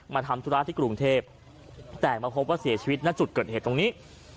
ทำธุระที่กรุงเทพแต่มาพบว่าเสียชีวิตณจุดเกิดเหตุตรงนี้